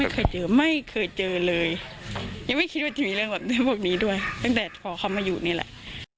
เคยเจอไม่เคยเจอเลยยังไม่คิดว่าจะมีเรื่องแบบนี้พวกนี้ด้วยตั้งแต่พอเขามาอยู่นี่แหละ